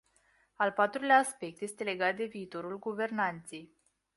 Al patrulea aspect este legat de viitorul guvernanței.